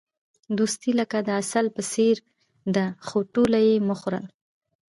دوستي لکه د عسل په څېر ده، خو ټوله یې مه خوره.